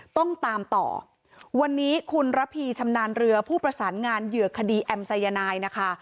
ต้องตามต่อวันนี้คุณระพีชำนาญเรือผู้ประสานงานเหยื่อคดีแอมสายนายนะคะ